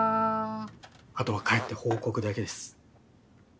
あとは帰って報告だけです。